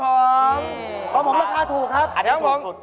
ของผมราคาถูกครับอันนี้ถูกสุด